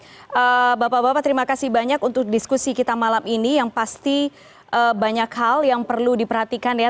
baik bapak bapak terima kasih banyak untuk diskusi kita malam ini yang pasti banyak hal yang perlu diperhatikan ya